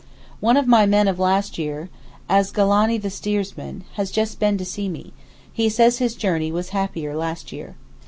One of my men of last year, Asgalani the steersman, has just been to see me; he says his journey was happier last year.